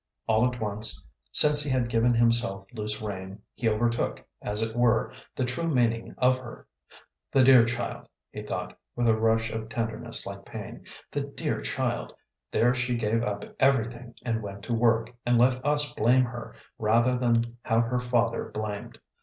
All at once, since he had given himself loose rein, he overtook, as it were, the true meaning of her. "The dear child," he thought, with a rush of tenderness like pain "the dear child. There she gave up everything and went to work, and let us blame her, rather than have her father blamed.